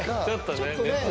ちょっとね。